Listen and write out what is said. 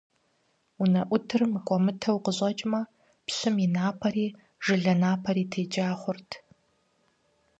УнэӀутыр мыкӀуэмытэу къыщӀэкӀмэ, пщым и напэри, жылэ напэри текӀа хъурт.